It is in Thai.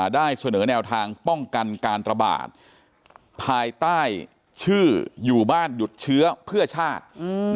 ได้เสนอแนวทางป้องกันการระบาดภายใต้ชื่ออยู่บ้านหยุดเชื้อเพื่อชาติ